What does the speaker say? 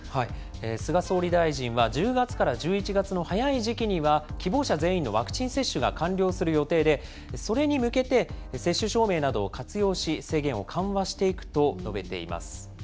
菅総理大臣は、１０月から１１月の早い時期には、希望者全員のワクチン接種が完了する予定で、それに向けて接種証明などを活用し、制限を緩和していくと述べています。